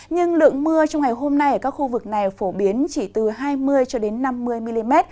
nhưng lượng mưa trong ngày hôm nay ở các khu vực này phổ biến chỉ từ hai mươi cho đến năm mươi mm